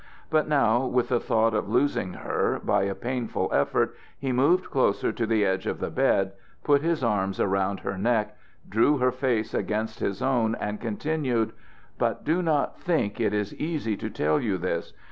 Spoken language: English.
But now, with the thought of losing her, by a painful effort he moved closer to the edge of the bed, put his arms around her neck, drew her face against his own, and continued: "But do not think it is easy to tell you this!